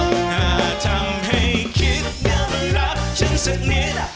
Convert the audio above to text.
ถ้าทำให้คิดเดี๋ยวมันรับฉันสักนิด